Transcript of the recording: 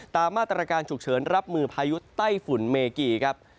ตามมาตรการฉุกเฉินรับมือพายุไต้ฝุ่นเมกีครับ